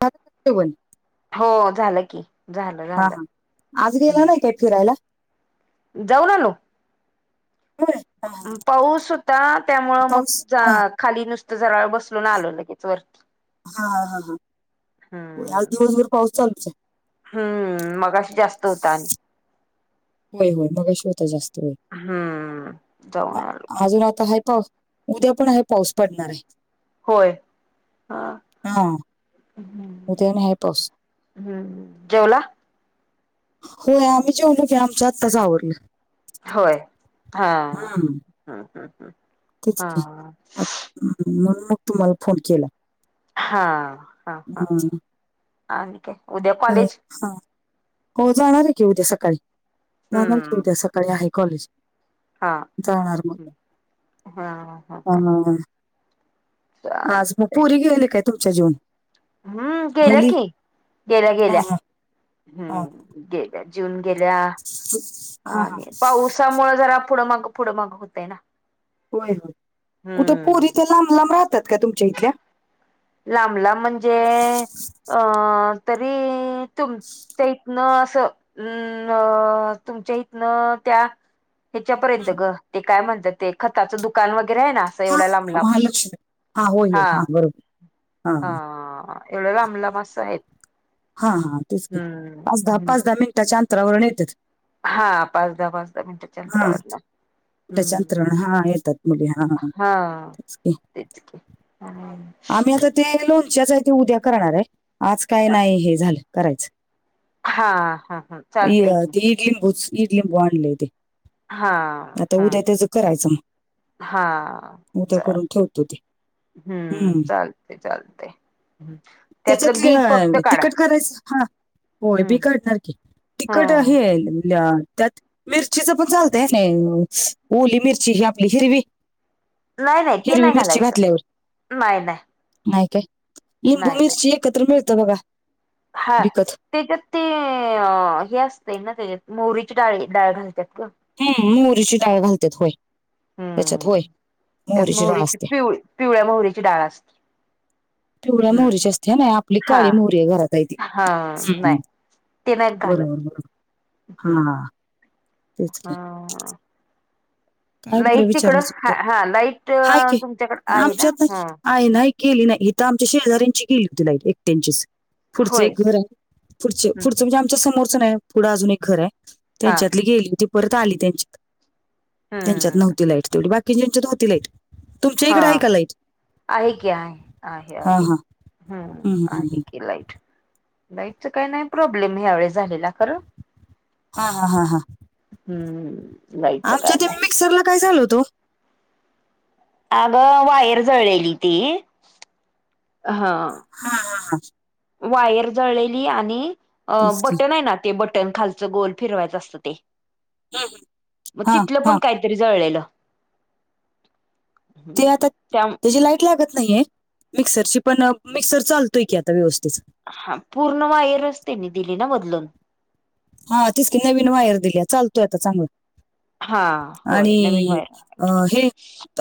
व [unintelligible] [inaudible] हो झालं की. झालं हा झालं. हा आज गेला नाही काय फिरायला. जाऊ [inaudible] [inaudible] ना नो होय हा, हा. पाऊस होता त्यामुळं मग पाऊस हा जात खाली नुसतं जरा बसलून आलो लगेच [inaudible] वर हा, हा, ह. हम. हो आज दिवसभर पाऊस चालूच आहे. हम्म. मगशी जास्त होत [inaudible] आणि होय होय मग [inaudible] श होत जास्त होय, हम्म जाऊन आलो अजून आता [inaudible] हा [inaudible] प उद्या पण आहे. पाऊस पडणार आहे. होय. हा. उद्या आणि आहे [inaudible] पाऊस ् हम् जेवला? होय आम्ही [inaudible] जे [inaudible] ओळखी आमच्या [inaudible] आत्ताचवरल होय, हा. हम्म हम्.. हम्म.. हम्.. तेच [inaudible] म्हणून मग तुम्हाला फोन केला. हा, हा, हा हम्म, आणि काय? उद्या काय? कॉलेज. हा. हो जाणार आहे की उद्या सकाळी. जाणार की हम्म उद्या सकाळी आहे कॉलेज. हा जाणार मग [inaudible] हा आज मग चालतंय पुरी गेले काय. तुमच्या [inaudible] जीवन हम्म. गेलं की. गेल्या, हा गेल्या हा हा हम्म गे. जून गेल्या हा हा आणि पाऊस त्यामुळे जरा पुढं मग, पुुढ मग होतें ना. होय हो कुठं पोरी हम्म तर लांब लांब राहतात का तुमच्या इथल्या. [inaudible] लांबला म्हणजे अ तरी तुमच्या इथनं असं, अं तुमच्या इथनं त्या. ह्याच्यापर्यंत हं, ग ते काय म्हणतात. ते खताचं दुःख दुकान वगैरे आहे ना, असं हा हा एवढ्या हा, लांबला महालक्ष्मी होय होय हा. बरोबर हा एवढं [inaudible] लांबला [inaudible] मा अस आहेत. हा हा [inaudible] तेचक हम्म पाच दहा, हम्म पाच दहा मिनिटाच्या अंतरावरण येतात. हा पाच दहा, पाच दहा मिनिटाच्या हा अंतरावरला. मिनिटाच्या हम्म.. अंतरावर हा येतात मुली हा तेच की [inaudible] तेच हम्म. आम्ही आता ते लोणच्याच आहे ते उद्या करणार आहे, आज काय नाही हे झालं करायचं हा हा हा चालतय की. लिंबूच ईड लिंबू आणलय ते, हा आता हा उद्या त्याच करायचं मग. हा उदा चाल करून ठेवतो ते. हम्म चालतय चालतय, त्यातलं बी फक्त काढा तिकट करायचं? हां होय बी हम्म काढणार की, तिकट हम हे त्यात मिरचीच पण चालतय आ नी ओली मिरची ही आपली हिरवी. नाही नाही ते हिरवी नाही मिरची घालायचं, घातल्यावर नाही नाही. नाही काय? लिंबू नाही नाही मिरची एकत्र मिळत बघा हा. विकत त्याच्यात ते अ हे असतय ना तेच्यात मोहरीची डाळी डाळ घालत्यात ग हम्म मोहरीची डाळ घालत्यात व्हय, त्याच्यात हम्म व्हय, त्यात मोहरीची डाळ असत्या. पिवळी पिवळ्या मोहरीची डाळ असती. पिवळ्या मोहरीची असत्या हा नाय आपली हा काळी मोहरी आहे घरात आहे ती हा हं. नाही ते नाहीत घालत बरोबर बरोबर हा. तेच की हां. काय बरं विचारायचं हा होत, हा लाईट हाय की तुमच्याकडे आहे ना आमच्यात हाय की. हा. हाय नाही केली नाही इथ आमच्या शेजाऱ्यांची गेली होती लाईट एकट्यांचीच. पुढचं होय. एक घर आहे पुढचे पुढचं म्हणजे आमच्या समोरचं नाही, पुढं अजून एक घर आहे. हा त्यांच्यातली गेली होती, परत आली त्यांच्यात, त्यांच्यात हम्म नव्हती लाईट तेवढी, बाकी की ज्यांच्यात होती लाईट, तुमच्या हा इकड आहे का लाईट? आहे की आहे आहे हा आहे हा हम्म आहे की लाईट. लाईटचा काही नाही प्रॉब्लेम ह्यावेेळस झालेला खरं. हा हा हा. हम्म. लाईटच आमच्या काय त्या नाही मिक्सरला काय झालं होत ओ? अगं वायर जळलेली ती हा. हां हां हां. वायर जळलेली आणि, अ तेच की बटन आहे ना ते बटन खालचं गोल फिरवायचं असत ते हम्म. म हा तिथलं हा पण काय तरी जळलेलं. ते आता त्या त्याची लाईट लागत नाहीेये, मिक्सर ची पण मिक्सर चालतोय की आता व्यवस्थित. हा पूर्ण वायरच त्यांनी दिली ना बदलून. हा तेच की नवीन वायर दिल्या चालतोय आता चांगला. हा होय आणि नवीन अ व्हायरल हे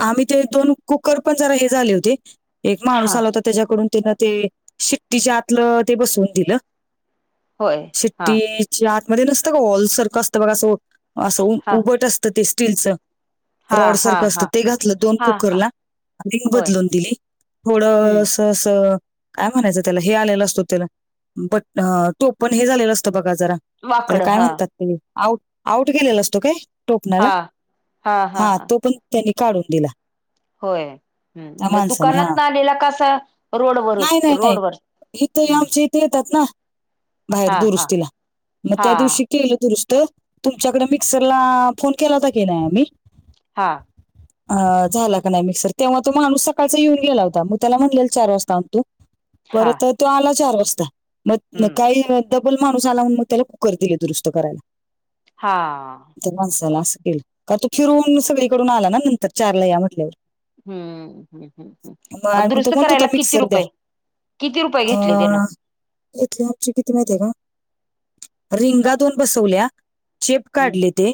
आम्ही ते दोन कुकर पण जरा हे झाले होते, एक माणूस हा आला होता त्याच्याकडून त्यानं ते शिट्टीच्या आतलं ते बसवून दिलं होय हा शिट्टीच्या आतमध्ये नसतं का वॉल सारखं असतं बघा असं असं उम हा उभट असतं ते स्टीलचं हा रॉड हा सारखं असतं हा ते घातलं दोन हा हा कुकरला रिंग होय बदलून दिली, थोड अ हम्म स तसं काय म्हणायचं त्याला हे आलेलं असतो त्याला? बट अ टोपण हे झालेल असतं बघा जरा. त्याला वाकडं काय हा म्हणतात ते? आऊट आऊट गेलेला असतो काय? टोपणांला हा हा हा हां तो पणं त्यांनी काढूंन दिलां होयं हं मं हा दुकानांतून आलेला कां असां रोडवरं होतं रोडवरं हम्मं येतांत नां बाहेर हा दुरुंस्तीला मंग त्यां हा दिवशी केलं दुरुंस्त तुमच्यांकडे मिक्सरला आं फोन केलां होतां की नाहीं आम्हीं हां [unintelligible] अं झालां कां नाहीं मिक्संर तेव्हां तो माणूंस सकाळंचा येऊंन गेलां होतां मगं त्यांला म्हणलेल चार वाजतां आंण तूं हा परंत तो आंला चार वाजतां मंग हम्म कांहीं डबल माणूंस आंला म्हणुंन मंग त्यांला कुकर दिले दुरुस्तं करांयला हा त्यां माणसांला असं ये कां तूं फिरवूंन सगळीकडूंन आंला नां नंतर चारलां यां म्हंटल्यावर हम्मं हम्मं हं मग मंग आम्ही तो दुरुस्तं म्हणत होता करांयला किती मिक्सर द्या रुपये किती रुपये घेतले त्यांनं एक लांख चे किती माहिती आहे कां रिंगा दोन बसवल्यां चेप हम्म काढले ते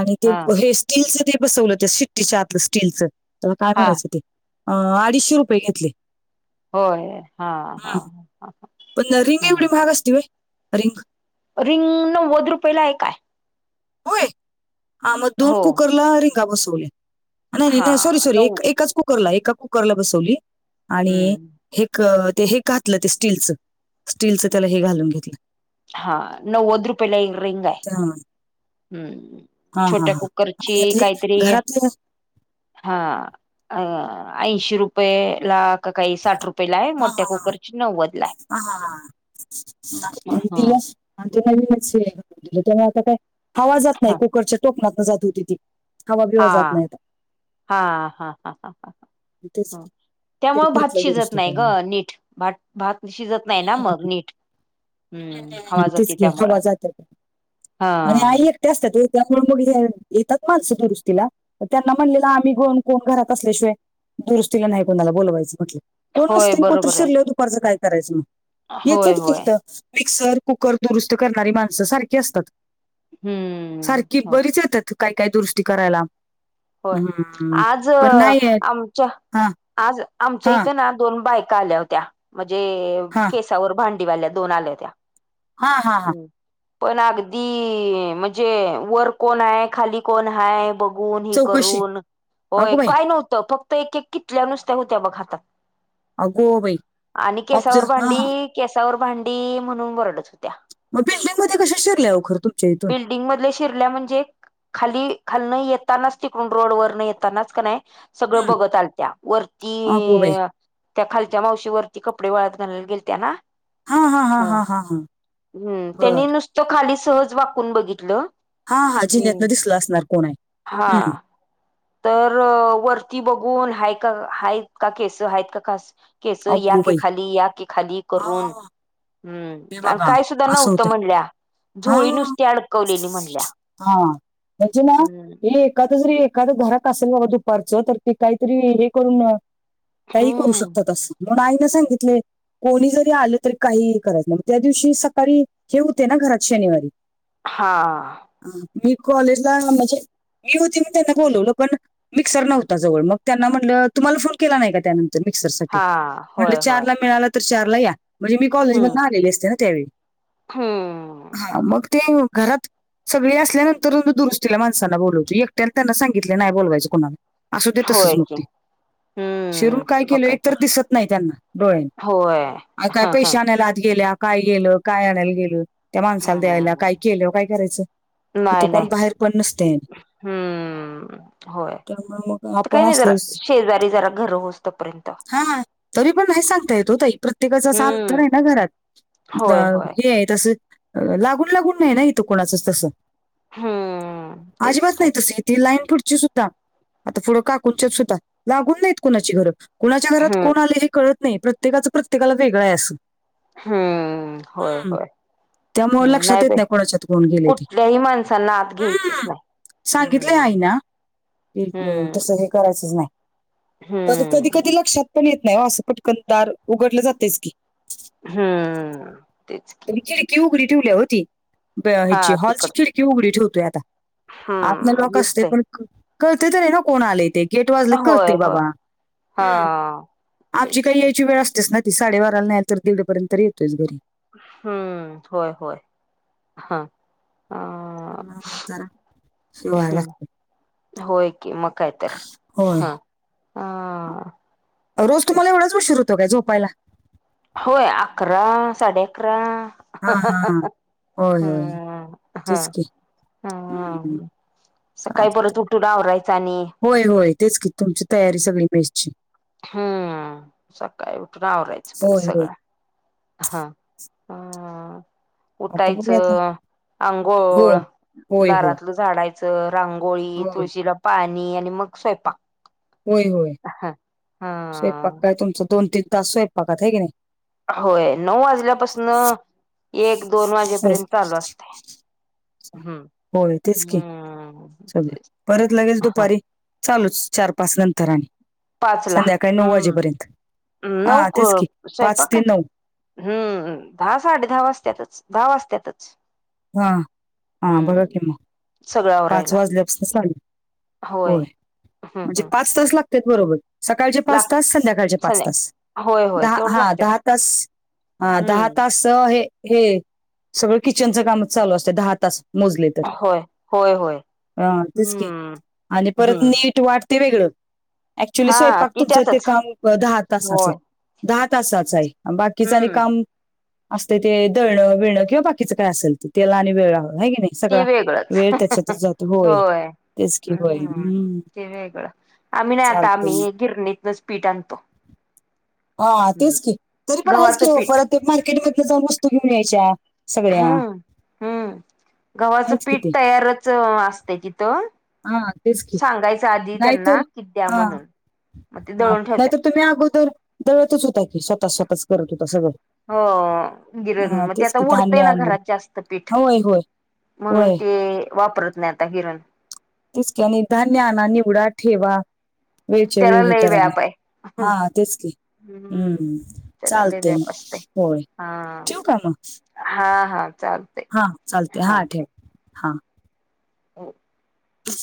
आणि ते हा अं हे स्टीलचं ते बसवलं त्यां शिकट्टीच्यां आतलं स्टीलचं त्यांला कायं हा म्हणायचं ते अं अडीचशे रुपये घेतले होय हा हम्मं हा पणं रिंग एवढी महांग असती बांय रिंग रिंग नव्वद रुपयेला एक आहे कायं होयं हां मंग दोन हो कुकरलां रिंगा बसवले नाहीं नाहीं हा नाहीं सॉरी सॉरी नऊ एकाचं कुकरलां एकां कुकरलां बसवली आणि हम्म हे ते हे घातलं ते स्टीलचं स्टीलचं त्यांला हे घालूंन घेतलं हां नवंद रुपयांला एक रींग आहे दां हम्मं छोट्या कुकरची आणि आता हे कांहींतरी घरातलं हां अं ऐंशी रुपये लां कांहीं साठ रुपये लां आहे मोठ्या कुकरची नव्वद लां आहे हं हां हां साठ रूपयांला हा दिलं आणि ते नवीनचलं त्यांमुळे आंता कायं हवां जांत नाहीं हा कुकरच्या टोकणंत जातं होती ती हवा बिवा जात हां नाही आता हां हां हां हं हं तेच हं ते त्यांमुळे भांत घेतलं शिजतं दुरुस्त नाहीं करून गं नीट भांत भांत शिजतं नाहीं नां मगं नीटं तेचकी हवां जाते हा आणि आई एक ते असतांत त्यांमुळे मंग हे येतांत माणसं दुरुस्तीला त्यांना म्हणलेलं आम्हीं गंन कोणं घरांत असल्यांशिवायं दुरुस्तीला नाहीं कोणांला बोलवायचं होय कोणंसते कोत्र बरोबर आहे शिरं ल दुपारचं कायं करायचं मंग येते होय होय कीथ मिक्सर कुकर दुरुस्तं करणारी माणसं सारखी असतांत हम्म सारखी हो बरीच येतांत कायं कायं दुष्टती करांयला होयं आंज नाही आहेत. आमच्यां हां, आंज आमच्यां हां, इथं नां दोन बायकां आंल्या होत्यां म्हणजे हां, के त्यां वरं भांडी वाल्यां दोन आल्यां होत्यां हां, हां, हां. पणं अगदी म्हणजे वरं कोणं आहे खांली कोणं आहे बघं बोनं हे चौकशी. करूंन होयं अगो बाई! कायं नव्हतं फक्तं तरं एक एक कितल्यां नुसत्यां होत्यां बघं हातांत अगो बाई! आणि ऑब्ज केसांवरं हां, हां. भांडी केसांवरं भांडी म्हणूंन वोरडतं होत्यां मग बिल्डिंगमध्येध्ये कसे शिरल्याव खर तुमच्या इथून [unintelligible] डिंग मध शिरल्या म्हणजे, खाली खाली न येतानाच तिकडून रोड वर न येतानाच का नाही सगळं हं. बघत आलत्या वरती अगो बाई! त्या खालच्या मावशीवरती कपडे वाळत घालयला गेल त्या ना हां, हां, हां, हा, हां, हां, हां. हम्म त्यांनी बरं. नुस तो खाली सहज वाकून बघितलं. हा हा जिन्यातन हम्म दिसलं असणार कोण आहे हा हम्म तर वरती बघून हाय का ह का केस आहेत का कास केस अगो बाई! याकीखाली या कीखाली करून हां, हम्म आणि काय सुद्धा नव्हतं म्हणल्या हा झोळी नुसती अडकवलेली म्हणल्या -हा म्हचला हम्म हे का एखादं जरी एखादं घरात असेल बाबा दुपारचं, तर ते काहीतरी हे करून, काही करू हम्म शकतात अस म्हणून आई ना सांगितले कोणी जरी आलं तरी काही करायचं मग त्या दिवशी सकाळी हे होते ना घरात शनिवारी हा ह मी कॉलेज ला म्हणजे मी होती मी त्यांना बोलवलं पण मिक्सर नव्हता जवळ मग त्यांना म्हटलं तुम्हाला फोन केला नाही का त्यानंतर मिक्सर साठी हा म्हनल होय होय चारला मिळाल तर चारला या म्हणजे मी हम्म कॉलेजमधुन आलेले असते ना त्यावेळी हम्म हा मगत तेन घरात सगळे असल्यानंतर दुरुस्तीला माणसांना बोलयचं एकट्यानं त्यांना सांगितलंनाई बोलवायचं कुणाला असू दे, तसंच, होय की रुटी चिरून काय केलं एक तर दिसत नाई त्यांना डोळ्याने होय आन काय ह ह पैशे आणायला आत गेल्याकाय गेलं, काय आणायला गेलं त्या माणसाला द्यायला हम्म काय केल्यावर, काय करायचं इथं कोण बाहेर पण नसतेय हम होय, त्यामुळे मग काई आपण नाही असलो जरा, शेजारी जरा घर होऊस्तपर्यंत हा हा तरी पण नाई सांगता येत वो ताई प्रत्येकाचं [unintelligible] हम्म. ना घरात अ होय होय हेआहे तसं लागून लागून नाही ना, इथं कोणाचाच तसं हम्म तेच अजिबात की नाही तसं ती लाईन पुढची सुद्धाआता फुढं काकूनच्यात सुद्धा लागून नाईत कुणाची घरं कुणाच्या घरात हम्म कोण आलं हे कळत नाई प्रत्येकाचं प्रत्येकाला वेगळं ए असं हम्म. होय, हं. होय त्यामुळे हम्म, नाई लक्षात येत बाई, नाही कोणाच्यात कोण गेले ते कुठल्याही माणसांना आत घ्यायचंच नाई सांगितलय आईंना एक हम्म तसं. हे करायचंच नाई कधी कधी हम्म लक्षात पण, येत नाही वो असं पटकन दार उघडलं, जातच की हम्म, तेच की की उघडी ठेवल्या हो ती हा ह्याची. हॉलची तिकड खिडकी उघडी ठेवतोय आता आतनं हम्म लॉक असते दिसतय पण कळतं तरी ना कोण आलंय ते गेट वाजलं कि होय कळतंय होय बाबा हा हूं. आमची तेच काय की यायची वेळ असतेच ना साडेबाराला नाही तर. दीड पर्यंत तर येतोयच घरी हम्म, होय होय हं हा [unintelligible] जरा... शिवाय हम्म लागतंय होय की मग काय तर होय हं हा रोज ते तुम्हाला एवढाच उशीर होतो काय झोपायला? होय.. अकरा साडे अकरा हा हा हा. हंहंहं... होय होय हम्म... तेच हं. की हम्म... सकाळी चालतंय. परत उठून आवरायचं आणि होय होय... तेच की... तुमची तयारी सगळी मेसची हम्म... सकाळी उठून आवरायचं... परत होय होय सगळं हा... हं आता बघूया आता उटायचं... हो आंघोळ... होय होय दारातलं झाडायचं... रांगोळी, होय तुळशीला पाणी आणि मग स्वयंपाक होय होय... हा स्वयंपाक काय... तुमचा दोन तीन तास स्वयंपाकात... हाय की नाई होय... नऊ वाजल्यापासनं... एक दोन हो वाजेपर्यंत चालू असतंय होय ते हम्म तेच परत लगेच हा दुपारी... चालूच... चार पाच नंतर आणि पाचला संध्याकाळी नऊ हम्म वाजेपर्यंत... नऊ हा तेच की... क- पाच स्वयंपाक ते काय नऊ हम्म... दहा, साडे दहा वाजत्यातच... दहा वाजत्यातच हा... हा... बघा हम्म कि मग, सगळं पाच आवरायला वाजल्यापासनं साडे होय... हम्म म्हणजे हम्म पाच तास लागतेत बरोबर सकाळचे लाग पाच तास... संध्याकाळचे पाच तास संध्या होय होय दहा... तेवढं हा... लागत्यात दहा तास... हा दहा हम्म तास तंव्हा... हे... हे... सगळं किचनचं कामच चालू असत्यातं दहा तास मोजले तर... होय होय होय हा... तेच की... हम्म आणि परत हम्म नीट वाट ते वेगळं... ऍक्च्युली हा स्वयंपाक... ती तुमचं ते त्यातच काम... दहा तासाचं होय दहा तासाचंय... आणि बाकीचं आणि हम्म काम... असते ते दळणं बिळणं किंवा बाकीचं काय असल ते... त्याला आणि वेळ लागल हाई की नाई? ते सगळा वेगळंच वेळ त्याच्यात जातो, होय तेच की बाई हम्म ते वेगळं, आम्ही नाही आता चालते आम्ही गिरणीतनच पीठ आणतो हा हम्म तेच की, तरी पण आहेच गव्हाचं की ऑफर पीठ परत ते मार्केटमधलं जाऊन वस्तू घेऊन यायच्या सगळ्या हम्म हम्म [inaudible] गव्हाचं आहेच की पीठ ते तयारचं अ असते तिथं हा तेच की सांगायचा आधी नाहीतर त्यांना की द्या हा म्हणून मग ते हा दळून ठेवतात नाहीतर तुम्ही अगोदर दळतच होता की स्वतः स्वतःच करत होता सगळं हो गिरण हा मग तेच त्याचा की धान्य उडतय ना आणून घरात जास्त पीठ होय होय म्हणून होय ते वापरत नही आता गिरण तेच की आणि धान्य आणा निवडा ठेवा वेळच्या वेळी त्याला हे लय करा, व्याप आहे हा तेच की हम्म त्याला लय चालतय म, व्याप असतय होय हा ठेवु का मग हा हा चाल हा चालतय हा ठेव हा हो अ